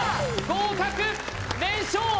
合格連勝